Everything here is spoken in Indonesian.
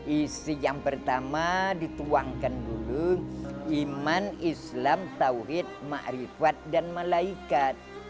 isi yang pertama dituangkan dulu iman islam tauhid ma'rifat dan malaikat